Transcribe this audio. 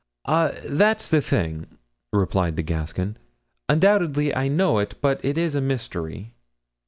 "Ah! that's the thing!" replied the Gascon. "Undoubtedly I know it, but it is a mystery."